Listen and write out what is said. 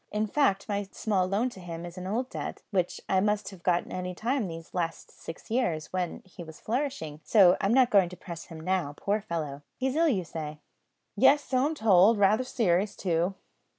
In fact, my small loan to him is an old debt, which I might have got any time these last six years, when he was flourishing; so I'm not going to press him now, poor fellow. He's ill, you say?" "Yes, so I'm told; raither serious too."